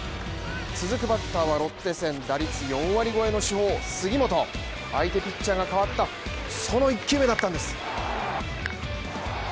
続くバッターはロッテ戦打率４割超えの杉本、相手ピッチャーが変わった、その１球だったんです。